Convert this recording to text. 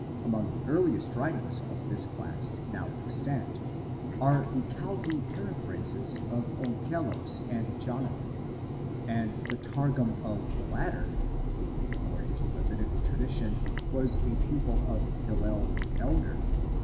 Among the earliest writings of this class now extant, are the Chaldee paraphrases of Onkelos and Jonathan ; and the Zargum of the latter, who, according to rabbinical tradition, was a pupil of Hillel the elder